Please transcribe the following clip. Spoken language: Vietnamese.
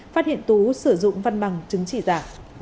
phát hiện tú sử dụng văn bằng chứng chỉ giả